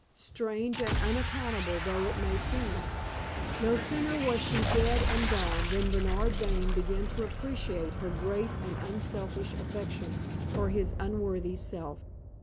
Strange and unaccountable though it may seem, no sooner was she dead and gone than Bernard Dane began to appreciate her great and unselfish affection for his unworthy self.